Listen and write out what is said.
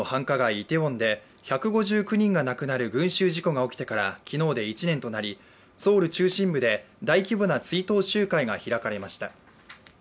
イテウォンで１５９人が亡くなる群集事故が起きてから昨日で１年となり、ソウル中心部で大規模な追悼集会が開かれました。